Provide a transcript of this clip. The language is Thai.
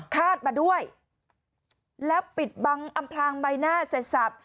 ฆาตมาด้วยแล้วปิดบังอำพลางใบหน้าเสร็จสับ